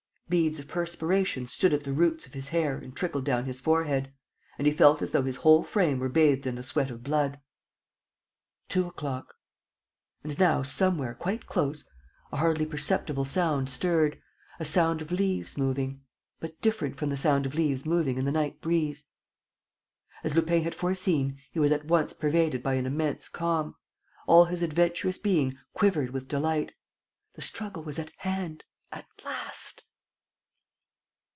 ... Beads of perspiration stood at the roots of his hair and trickled down his forehead; and he felt as though his whole frame were bathed in a sweat of blood. ... Two o'clock. ... And now, somewhere, quite close, a hardly perceptible sound stirred, a sound of leaves moving ... but different from the sound of leaves moving in the night breeze. ... As Lupin had foreseen, he was at once pervaded by an immense calm. All his adventurous being quivered with delight. The struggle was at hand, at last!